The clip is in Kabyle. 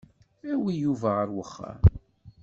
Awi Yuba ɣer uxxam.